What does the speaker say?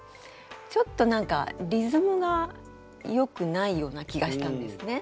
ちょっと何かリズムがよくないような気がしたんですね。